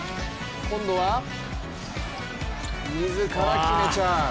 今度は、自ら決めちゃう。